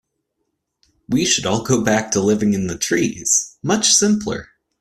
We should all go back to living in the trees, much simpler.